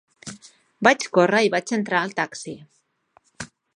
Vaig córrer i vaig entrar al taxi.